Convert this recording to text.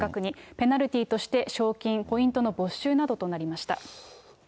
ペナルティーとして、賞金、ポイントの没収などとなりました。